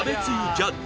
ジャッジ